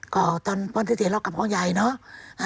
ก็ตอนวันที่๔เรากลับห้องใหญ่เนอะ